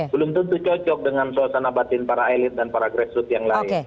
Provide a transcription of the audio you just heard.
belum tentu cocok dengan suasana batin para elit dan para grassroots yang lain